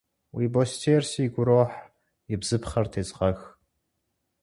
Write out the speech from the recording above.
Уи бостейр сигу ирохь, и бзыпхъэр тезгъэх.